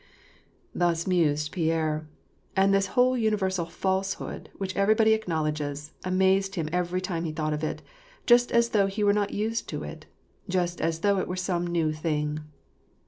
Thus mused Pierre; and this whole universal falsehood, which everybody acknowledges, amazed him every time he thought of it ; just as though he were not used to it, just as though it were some new thing.